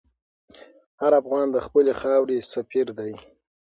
هر افغان د خپلې خاورې سفیر دی.